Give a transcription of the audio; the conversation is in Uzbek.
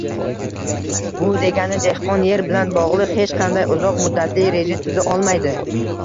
Bu degani dehqon yer bilan bog‘liq hech qanday uzoq muddatli reja tuza olmaydi